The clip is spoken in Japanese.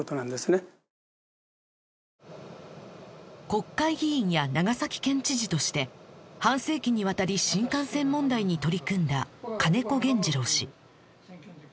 国会議員や長崎県知事として半世紀にわたり新幹線問題に取り組んだ金子原二郎氏